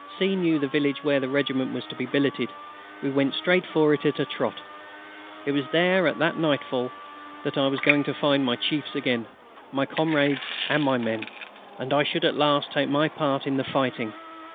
C. knew the village where the regiment was to be billeted. We went straight for it at a trot. It was there that, at nightfall, I was going to find my chiefs again, my comrades and my men; and I should at last take my part in the fighting.